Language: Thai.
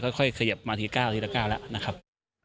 ค่อยขยับมาที๙ทีละ๙แล้วนะครับ